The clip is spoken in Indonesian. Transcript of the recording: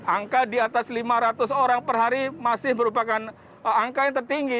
angka di atas lima ratus orang per hari masih merupakan angka yang tertinggi